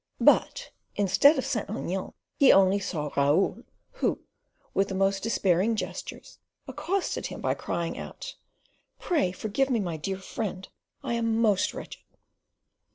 But instead of Saint Aignan, he only saw Raoul, who, with the most despairing gestures, accosted him by crying out, "Pray forgive me, my dear friend, I am most wretched."